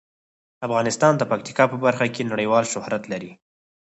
افغانستان د پکتیکا په برخه کې نړیوال شهرت لري.